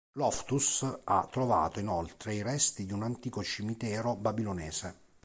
Loftus ha trovato inoltre i resti di un antico cimitero babilonese.